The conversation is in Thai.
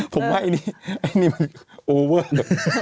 ผมว่าอันนี้อันนี้มันโอเวิร์ด